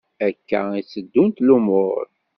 Akka i tteddunt lumuṛ.